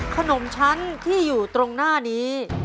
ขนมชั้นที่อยู่ตรงหน้านี้